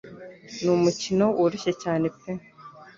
Numukino woroshye cyane pe